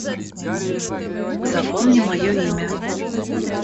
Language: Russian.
Запомни моё имя